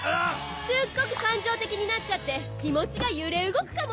すっごく感情的になっちゃって気持ちが揺れ動くかも。